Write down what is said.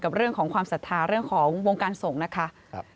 เรื่องของความศรัทธาเรื่องของวงการส่งนะคะ